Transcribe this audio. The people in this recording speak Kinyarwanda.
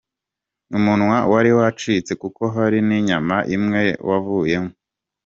Umunwa wari wacitse kuko hari n’inyama imwe wavuyemo.